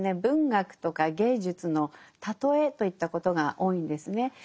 文学とか芸術の喩えといったことが多いんですね。